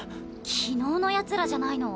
昨日のヤツらじゃないの？